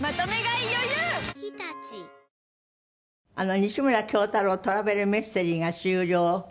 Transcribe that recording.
『西村京太郎トラベルミステリー』が終了。